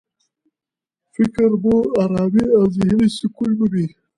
فکر مو ارامي او ذهني سکون مومي.